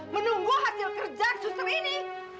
menunggu hasil kerjaan suster ini